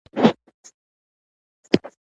هېچا هم پوښتنه ونه کړه چې حاصل څه دی.